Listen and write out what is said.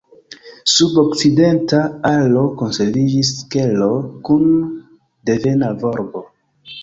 Sub okcidenta alo konserviĝis kelo kun devena volbo.